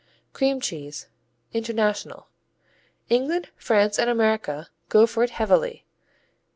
Cream cheese International England, France and America go for it heavily.